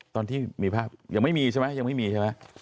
ตอนที่มีภาพยังไม่มีใช่ไหมยังไม่มีใช่ไหม